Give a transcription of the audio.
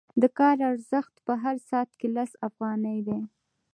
د کار ارزښت په هر ساعت کې لس افغانۍ دی